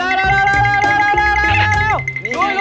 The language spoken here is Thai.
นำไปก่อนเลยเต๋อป่ะทำอะไรกัน